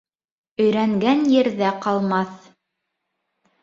Өйрәнгән ерҙә ҡалмаҫ.